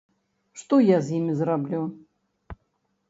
Што я з імі зраблю?